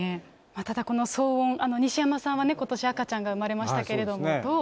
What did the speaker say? ただ、この騒音、西山さんはね、ことし赤ちゃんが生まれまし